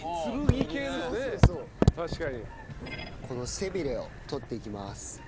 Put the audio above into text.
この背びれを取っていきます。